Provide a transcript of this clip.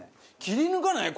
切り抜かない？